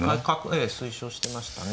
ええ推奨してましたね。